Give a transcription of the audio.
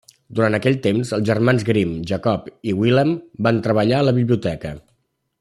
Durant aquell temps els Germans Grimm, Jacob i Wilhelm, van treballar a la biblioteca.